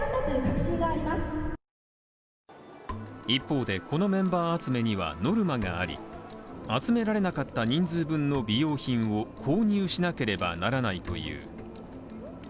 一方でこのメンバー集めにはノルマがあり、集められなかった人数分の美容品を購入しなければならないという。